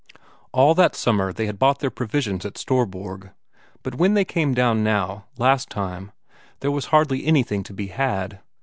All that summer they had bought their provisions at Storborg, but when they came down now, last time, there was hardly anything to be had.